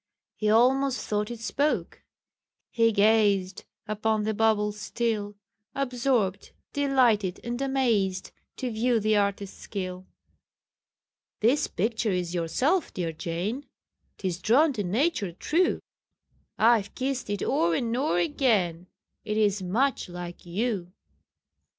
He almost thought it spoke: he gazed Upon the bauble still, Absorbed, delighted, and amazed, To view the artist's skill. "This picture is yourself, dear Jane 'Tis drawn to nature true: I've kissed it o'er and o'er again, It is much like you."